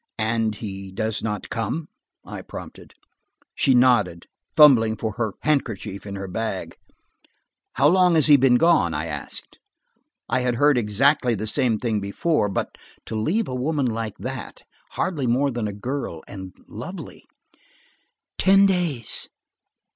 "And he does not come?" I prompted. She nodded, fumbling for her handkerchief in her bag. "How long has he been gone?" I asked. I had heard exactly the same thing before, but to leave a woman like that, hardly more than a girl, and lovely! "Ten days."